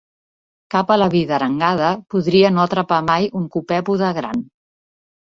Cap aleví d'arengada podria no atrapar mai un copèpode gran.